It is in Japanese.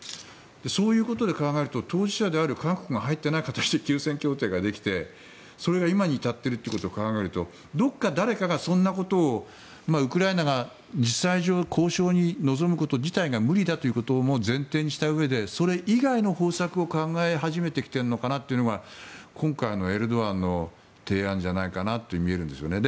そういうことで考えると当事者である韓国が入っていない形で休戦協定ができてそれが今に至っているということを考えるとどこか、誰かがそんなことをウクライナが実際上、交渉に臨むことが無理だということを前提にしたうえでそれ以外の方策を考え始めてきているのかなというのが今回のエルドアンの提案じゃないかなと見えるんですよね。